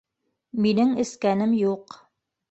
Минең эскәнем юҡ.